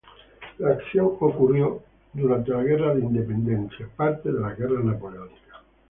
La acción ocurrió durante la Guerra Peninsular, parte de las Guerras Napoleónicas.